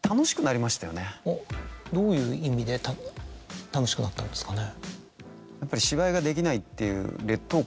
どういう意味で楽しくなったんですかね？